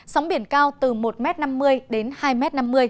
sóng biển cao từ một năm mươi m đến hai năm mươi m